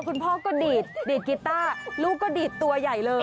คุณพ่อก็ดีดกีต้าลูกก็ดีดตัวใหญ่เลย